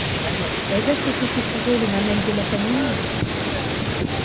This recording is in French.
Ai-je assez tété pour eux les mamelles de la famine!